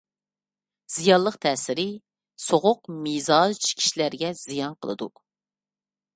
زىيانلىق تەسىرى: سوغۇق مىزاج كىشىلەرگە زىيان قىلىدۇ.